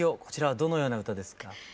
こちらはどのような歌ですか？